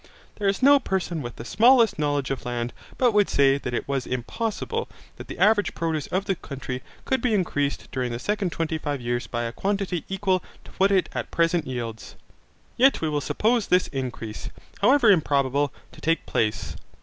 There is no person with the smallest knowledge of land but would say that it was impossible that the average produce of the country could be increased during the second twenty five years by a quantity equal to what it at present yields. Yet we will suppose this increase, however improbable, to take place.